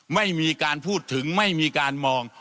ไม่มีการพูดถึงไม่มีการมอง